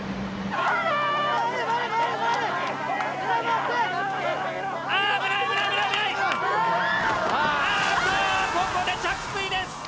ああここで着水です。